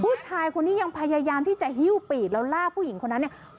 ผู้ชายคนนี้ยังพยายามที่จะหิ้วปีกแล้วลากผู้หญิงคนนั้นเนี่ย